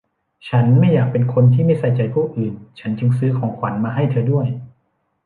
ฉันไม่อยากเป็นคนที่ไม่ใส่ใจผู้อื่น ฉันจึงซื้อของขวัญมาให้เธอด้วย